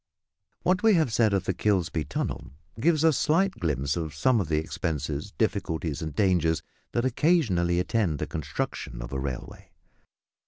What we have said of the Kilsby tunnel gives a slight glimpse of some of the expenses, difficulties, and dangers that occasionally attend the construction of a railway.